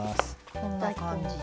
こんな感じで。